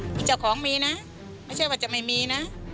ที่เจ้าของมีนะไม่ใช่ว่าจะไม่มีนะ